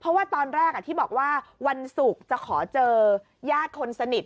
เพราะว่าตอนแรกที่บอกว่าวันศุกร์จะขอเจอญาติคนสนิท